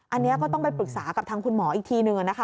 อันนี้ก็ต้องไปปรึกษากับทางคุณหมออีกทีหนึ่งนะคะ